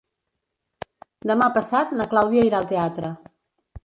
Demà passat na Clàudia irà al teatre.